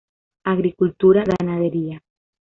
Agricultura, ganadería.